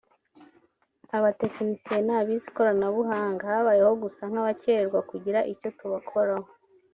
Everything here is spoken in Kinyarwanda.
abatekinisiye n’abize ikoranabuhanga habayeho gusa nk’abakererwa kugira icyo tubakoraho